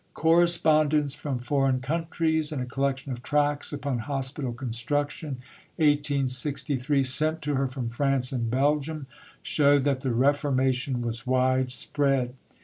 Correspondence from foreign countries, and a collection of tracts upon Hospital Construction (1863) sent to her from France and Belgium, show that the "reformation" was widespread.